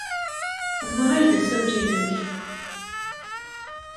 D wa ay d asawal-nnek?